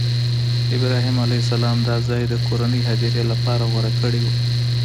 ابراهیم علیه السلام دا ځای د کورنۍ هدیرې لپاره غوره کړی و.